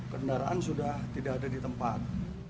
kendaraan sudah tidak ada di tempat